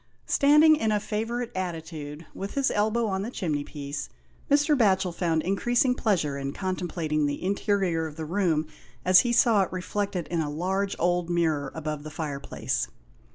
Standing in 126 GHOST TAXES. a favourite attitude, with his elbow on the chimney piece, Mr. Batchel found increasing pleasure in contemplating the interior of the room as he saw it reflected in a large old mirror above the fireplace.